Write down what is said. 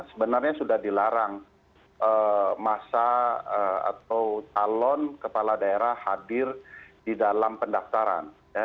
sebenarnya sudah dilarang masa atau calon kepala daerah hadir di dalam pendaftaran